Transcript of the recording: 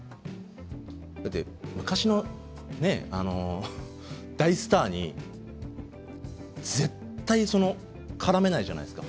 だって昔の大スターに絶対からめないじゃないですか？